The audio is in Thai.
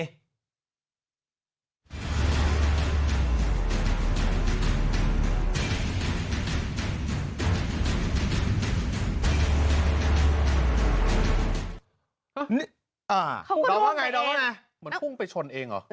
เหมือนพุ่งไปชนเองเหรอ